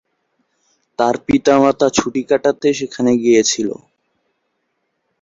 তার পিতামাতা ছুটি কাটাতে সেখানে গিয়েছিলেন।